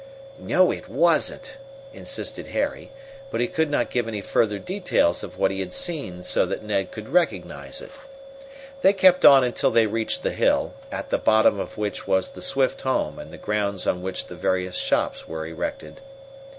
"No, it wasn't!" insisted Harry, but he could not give any further details of what he had seen so that Ned could recognize it. They kept on until they reached the hill, at the bottom of which was the Swift home and the grounds on which the various shops were erected.